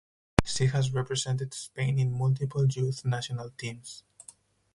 She has represented Spain in multiple youth national teams.